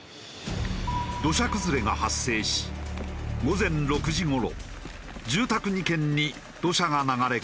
土砂崩れが発生し午前６時頃住宅２軒に土砂が流れ込んだ。